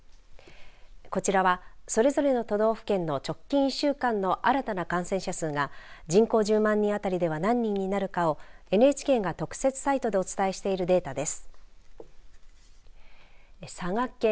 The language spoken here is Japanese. こちらは、それぞれの都道府県の直近１週間の新たな感染者数が人口１０万人当たりでは何人になるかをＮＨＫが特設サイトでお伝えしているデータです。